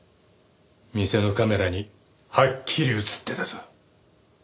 店のカメラにはっきり映ってたぞ。